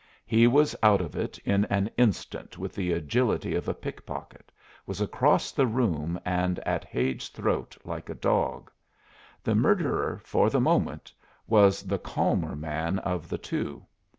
He was out of it in an instant with the agility of a pickpocket, was across the room and at Hade's throat like a dog. The murderer, for the moment, was the calmer man of the two.